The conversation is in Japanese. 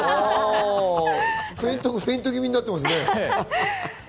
フェイント気味になってますね。